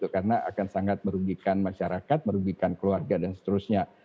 karena akan sangat merugikan masyarakat merugikan keluarga dan seterusnya